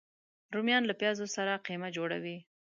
رومیان له پیازو سره قیمه جوړه وي